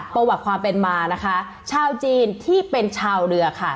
ประวัติความเป็นมานะคะชาวจีนที่เป็นชาวเรือค่ะ